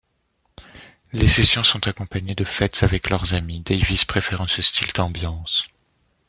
Les sessions sont accompagnées de fêtes avec leurs amis, Davis préférant ce style d'ambiance.